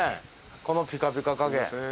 このピカピカ加減。